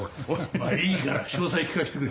まあいいから詳細聞かせてくれ。